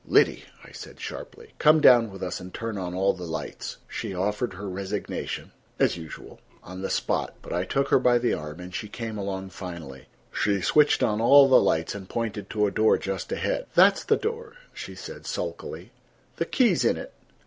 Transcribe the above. "Liddy," I said sharply, "come down with us and turn on all the lights." She offered her resignation, as usual, on the spot, but I took her by the arm, and she came along finally. She switched on all the lights and pointed to a door just ahead. "That's the door," she said sulkily. "The key's in it."